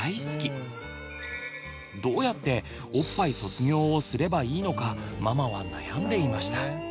どうやって「おっぱい卒業」をすればいいのかママは悩んでいました。